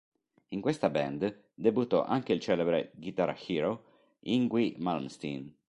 In questa band debuttò anche il celebre guitar hero Yngwie Malmsteen.